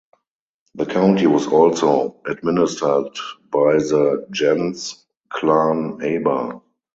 The county was also administered by the "gens" (clan) Aba.